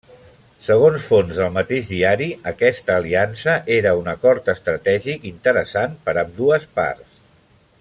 Segons fonts del mateix diari, aquesta aliança era un acord estratègic interessant per ambdues parts.